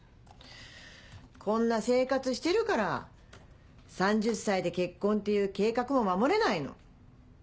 こんな生活してるから「３０歳で結婚」っていう計画も守れないの。